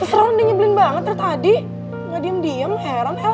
terus raul dia nyebelin banget tadi gak diem diem heran el